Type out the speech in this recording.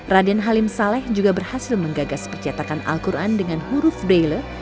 raden halim saleh juga berhasil menggagas percetakan al quran dengan huruf braille